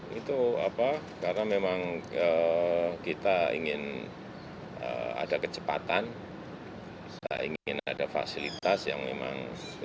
itu apa karena memang kita ingin ada kecepatan saya ingin ada fasilitas yang memang